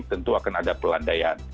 tentu akan ada pelandaian